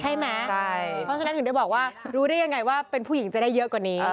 ใช่ไหมเพราะฉะนั้นถึงได้บอกว่ารู้ได้ยังไงว่าเป็นผู้หญิงจะได้เยอะกว่านี้